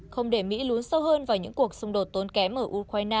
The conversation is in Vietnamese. không để mỹ lún sâu hơn vào những cuộc xung đột tốn kém ở ukraine hoặc trung đông